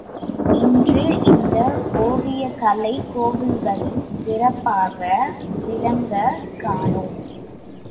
இன்று இந்த ஓவியக் கலை கோயில்களில் சிறப்பாக விளங்கக் காணோம்.